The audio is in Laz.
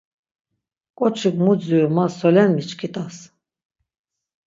Ǩoçik mu dziru ma solen miçkit̆as!